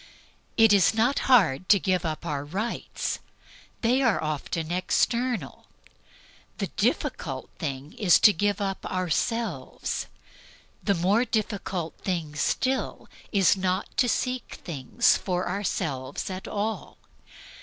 It is not hard to give up our rights. They are often eternal. The difficult thing is to give up ourselves. The more difficult thing still is not to seek things for ourselves at all.